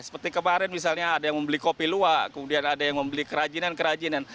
seperti kemarin misalnya ada yang membeli kopi luwak kemudian ada yang membeli kerajinan kerajinan